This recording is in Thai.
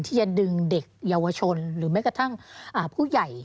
ที่จะดึงเด็กเยาวชนหรือแม้กระทั่งผู้ใหญ่